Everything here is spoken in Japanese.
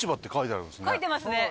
書いてますね。